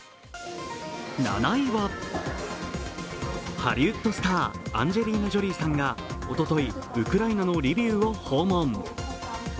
７位は、ハリウッドスター、アンジェリーナ・ジョリーさんがおととい、ウクライナのリビウを訪問。